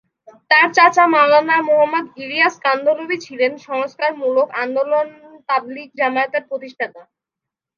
তার চাচা মাওলানা মুহাম্মদ ইলিয়াস কান্ধলভি ছিলেন সংস্কারমূলক আন্দোলন তাবলিগ জামাতের প্রতিষ্ঠাতা।